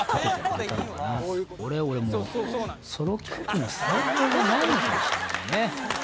俺もうソロキャンプの才能がないのかもしれないね。